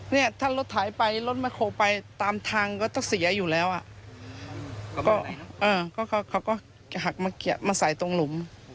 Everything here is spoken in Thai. เนี้ยถ้ารถถ่ายไปรถไม่โคไปตามทางก็ต้องเสียอยู่แล้วอ่ะก็เออเขาก็เขาก็หักมาแกะมาใส่ตรงหลุม